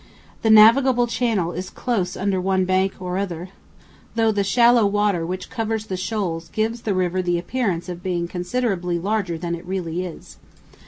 The navigable channel is close under one bank or other, though the shallow water which covers the shoals gives the river the appearance of being considerably larger than it really is.